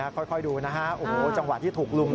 ค่อยดูนะฮะจังหวะที่ถูกรุม